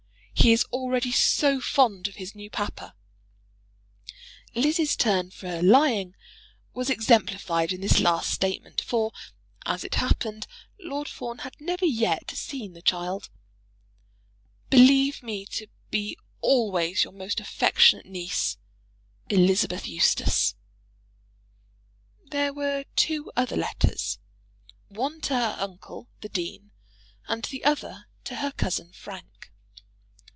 He is already so fond of his new papa! [Lizzie's turn for lying was exemplified in this last statement, for, as it happened, Lord Fawn had never yet seen the child.] Believe me to be always your most affectionate niece, ELI. EUSTACE. There were two other letters, one to her uncle, the dean, and the other to her cousin Frank.